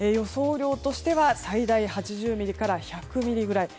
雨量としては最大８０ミリから１００ミリぐらい。